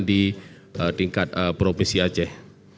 di tingkat provinsi aceh